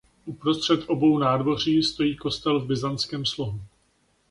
Uprostřed obou nádvoří stojí kostel v byzantském slohu.